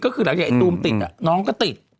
ก็คือหลังจากไอ้ตูมติดน้องก็ติด